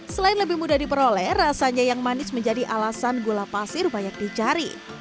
selain lebih mudah diperoleh rasanya yang manis menjadi alasan gula pasir banyak dicari